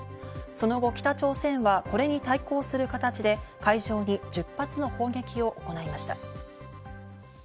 その後、北朝鮮はこれに対抗する形で海上に１０発の砲撃を行いました。